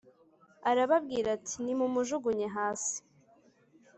Arababwira ati Nimumujugunye hasi